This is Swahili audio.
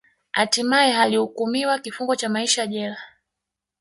Hatimae alihukumiwa kifungo cha maisha jela